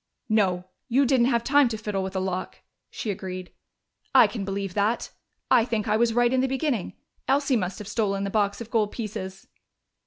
"No, you didn't have time to fiddle with a lock," she agreed. "I can believe that.... I think I was right in the beginning: Elsie must have stolen the box of gold pieces."